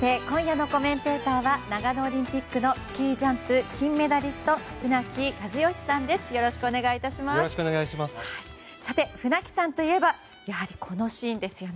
今夜のコメンテーターは長野オリンピックのスキージャンプ金メダリスト船木和喜さんです。